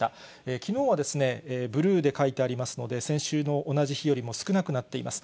きのうはブルーで書いてありますので、先週の同じ日よりも少なくなっています。